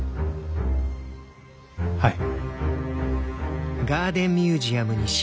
はい。